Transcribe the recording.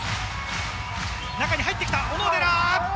中に入ってきた、小野寺！